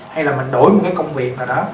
hay là mình đổi một cái công việc nào đó